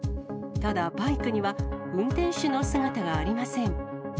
ただ、バイクには運転手の姿がありません。